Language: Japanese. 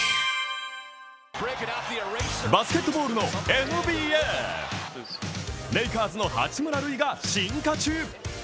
バスケットボールのＮＢＡ、レイカーズの八村塁が進化中。